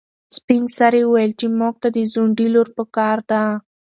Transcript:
سپین سرې وویل چې موږ ته د ځونډي لور په کار ده.